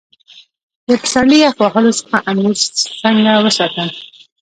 د پسرلي یخ وهلو څخه انګور څنګه وساتم؟